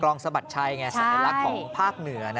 กรองสะบัดชัยไงสหรักของภาคเหนือนะ